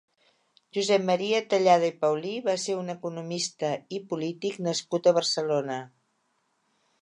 Josep Maria Tallada i Paulí va ser un economista i polític nascut a Barcelona.